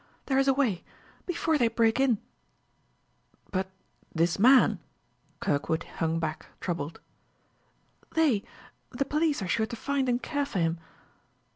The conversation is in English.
There is a way! Before they break in " "But this man ?" Kirkwood hung back, troubled. "They the police are sure to find and care for him."